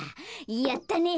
やったね。